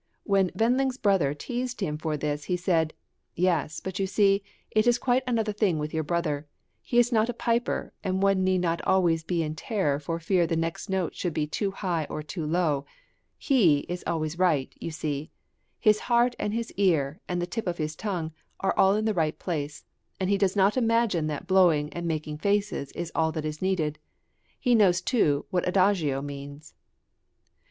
When Wend ling's brother teased him for this he said: "Yes, but you see, it is quite another thing with your brother. He is not a piper, and one need not be always in terror for fear the next note should be too high or too low he is always right, you see; his heart and his ear and the tip of his tongue are all in the right place, and he does not imagine that blowing and making faces is all that is needed; he knows too what adagio means."